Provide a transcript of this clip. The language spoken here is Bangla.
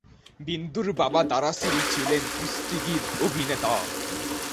বিন্দুর বাবা, দারা সিং ছিলেন কুস্তিগীর-অভিনেতা।